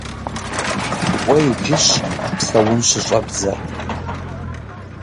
Уэ иджыщ псэун щыщӏэбдзэр.